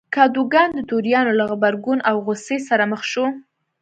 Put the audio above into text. کادوګان د توریانو له غبرګون او غوسې سره مخ شو.